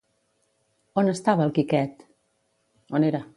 On estava el Quiquet?